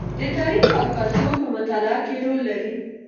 د تاریخ او کلتور په مطالعه کې رول لري.